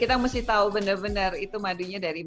interpretasinya pada operasi kondisi salinah terakhir ini